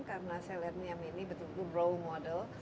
karena saya lihat niam ini betul betul role model